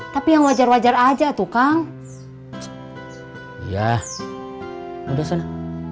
tapi yang wajar wajar aja tukang ya udah sana